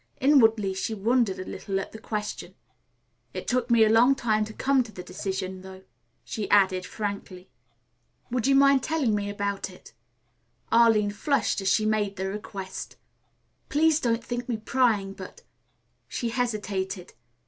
Inwardly she wondered a little at the question. "It took me a long time to come to a decision, though," she added frankly. "Would you mind telling me about it?" Arline flushed as she made the request. "Please don't think me prying, but " She hesitated.